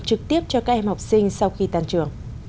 trực tiếp cho các em học sinh sau khi tan trường